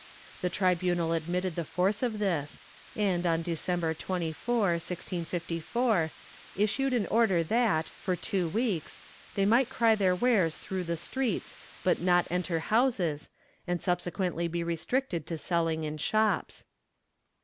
The tri bunal admitted the force of this and, on December 24, 1654, issued an order that, for two weeks, they might cry their wares through the streets, but not enter houses, and subsequently be restricted to selling in shops.